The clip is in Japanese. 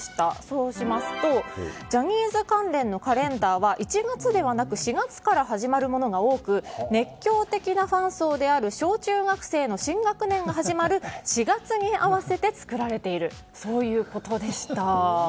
そうしますとジャニーズ関連のカレンダーは１月ではなく４月から始まるものが多く熱狂的なファン層である小中学生の新学年が始まる４月に合わせて作られているということでした。